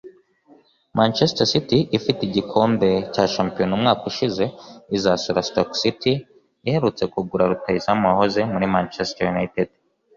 Manchester City ifite igikombe cya shampiyona umwaka ushize izasura Stoke City iherutse kugura rutahizamu wahoze muri Manchester United